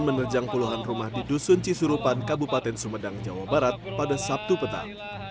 menerjang puluhan rumah di dusun cisurupan kabupaten sumedang jawa barat pada sabtu petang